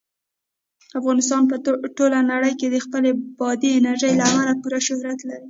افغانستان په ټوله نړۍ کې د خپلې بادي انرژي له امله پوره شهرت لري.